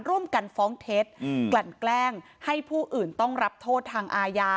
ร่วมกันฟ้องเท็จกลั่นแกล้งให้ผู้อื่นต้องรับโทษทางอาญา